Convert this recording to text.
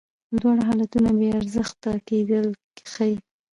دواړه حالتونه بې ارزښته کېدل ښیې.